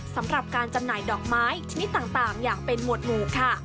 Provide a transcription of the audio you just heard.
สำหรับการจำหน่ายดอกไม้ชนิดต่างอย่างเป็นหวดหมู่ค่ะ